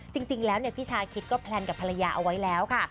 จริงแล้วพี่ชาคิดก็แพลนกับภรรยาเอาไว้แล้วค่ะ